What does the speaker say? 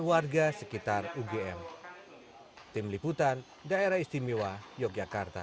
warga sekitar ugm tim liputan daerah istimewa yogyakarta